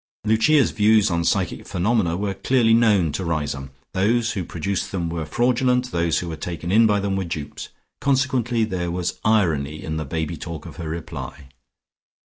Lucia's views on psychic phenomena were clearly known to Riseholme; those who produced them were fraudulent, those who were taken in by them were dupes. Consequently there was irony in the baby talk of her reply.